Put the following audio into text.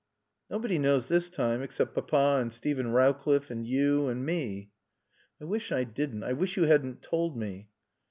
"Nobody knows this time, except Papa and Steven Rowcliffe and you and me." "I wish I didn't. I wish you hadn't told me."